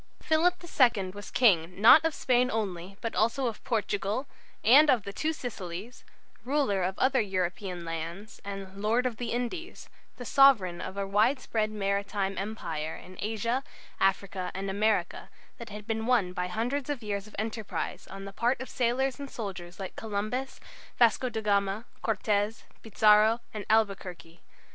Philip II was King not of Spain only, but also of Portugal and of the Two Sicilies, ruler of other European lands and "Lord of the Indies," the Sovereign of a widespread maritime Empire in Asia, Africa, and America, that had been won by a hundred years of enterprise on the part of sailors and soldiers like Columbus and Vasco da Gama, Cortes, Pizarro, and Albuquerque.